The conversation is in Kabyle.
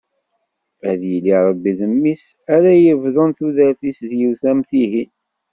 Ad yili Rebbi d mmi-s ara yebḍun tudert-is d yiwet am tihin.